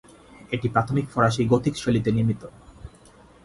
এটি প্রাথমিক ফরাসি গোথিক শৈলীতে নির্মিত।